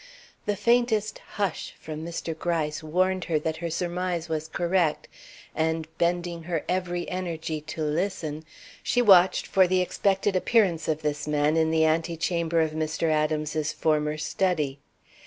The faintest "Hush!" from Mr. Gryce warned her that her surmise was correct, and, bending her every energy to listen, she watched for the expected appearance of this man in the antechamber of Mr. Adams's former study.